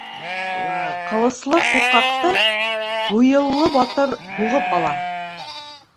Ҡылыслы ҡурҡаҡты һуйыллы батыр һуғып ала.